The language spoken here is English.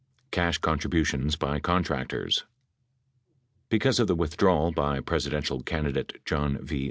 CASH CONTRIBUTIONS BY CONTRACTORS Because of the withdrawal by Presidential candidate John V.